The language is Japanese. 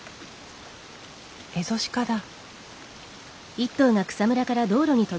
エゾシカだ。